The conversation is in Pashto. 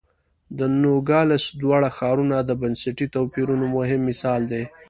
د نوګالس دواړه ښارونه د بنسټي توپیرونو مهم مثال دی.